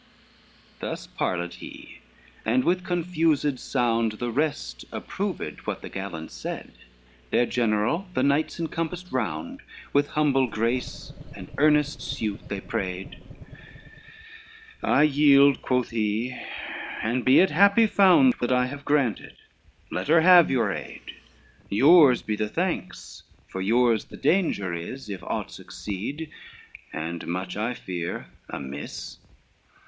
LXXXII Thus parleyed he, and with confused sound, The rest approved what the gallant said, Their general their knights encompassed round, With humble grace, and earnest suit they prayed: "I yield," quoth he, "and it be happy found, What I have granted, let her have your aid: Yours be the thanks, for yours the danger is, If aught succeed, as much I fear, amiss.